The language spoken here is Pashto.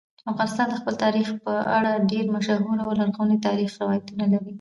افغانستان د خپل تاریخ په اړه ډېر مشهور او لرغوني تاریخی روایتونه لري.